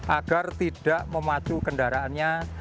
agar tidak memacu kendaraannya